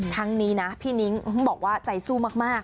ทั้งนี้นะพี่นิ้งบอกว่าใจสู้มาก